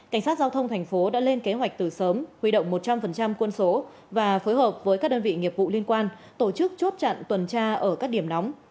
cảnh sát giao thông thành phố đã lên kế hoạch từ sớm huy động một trăm linh quân số và phối hợp với các đơn vị nghiệp vụ liên quan tổ chức chốt chặn tuần tra ở các điểm nóng